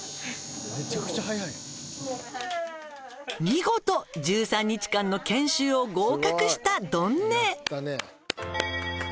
「見事１３日間の研修を合格した丼姉」